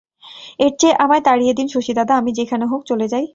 এর চেয়ে আমায় তাড়িয়ে দিন শশীদাদা, আমি যেখানে হোক চলে যাই।